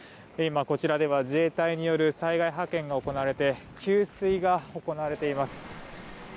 今こちらでは自衛隊による災害派遣が行われて給水が行われています。